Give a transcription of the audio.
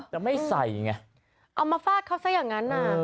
แต่ไม่ใส่ไงเอามาฟาดเขาซะอย่างนั้นน่ะ